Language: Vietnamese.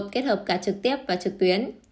kết hợp cả trực tiếp và trực tuyến